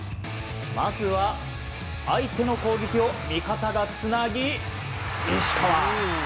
まずは相手の攻撃を味方がつなぎ石川！